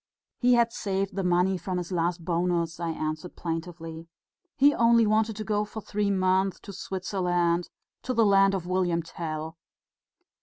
"He had saved the money from his last bonus," I answered plaintively. "He only wanted to go for three months to Switzerland ... to the land of William Tell."